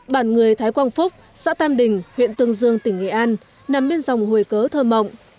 bản người thái quang phúc xã tam đình huyện tương dương tỉnh nghệ an nằm bên dòng hồi cớ thơ mộng